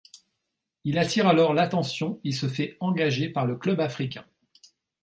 Il attire alors l'attention et se fait engager par le Club africain.